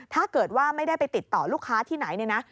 ถ้าเกิดว่าไม่ได้ไปติดต่อลูกค้าที่ไหนเนี่ยนะ